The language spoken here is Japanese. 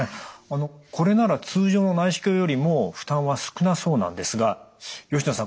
これなら通常の内視鏡よりも負担は少なそうなんですが吉野さん